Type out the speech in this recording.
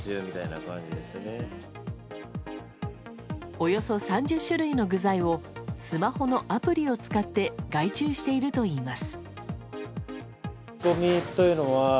およそ３０種類の具材をスマホのアプリを使って外注しているといいます。